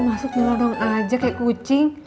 masuk melodong aja kayak kucing